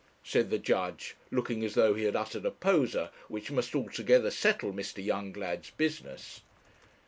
said the judge, looking as though he had uttered a poser which must altogether settle Mr. Younglad's business.